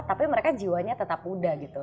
tapi mereka jiwanya tetap muda gitu